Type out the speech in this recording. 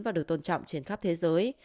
và được tôn trọng trên khắp thế giới